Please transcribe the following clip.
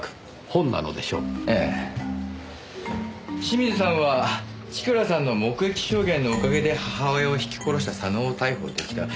清水さんは千倉さんの目撃証言のおかげで母親をひき殺した佐野を逮捕出来た。